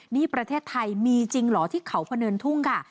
นี่ประเทศไทยมีจริงเหรอที่เขาพะเนินทุ่งค่ะ